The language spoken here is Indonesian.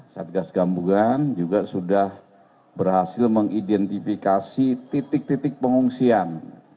satgas gabungan juga sudah berhasil mengidentifikasi titik titik pengungsian